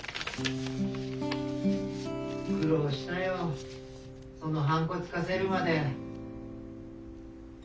・苦労したよその判子つかせるまで。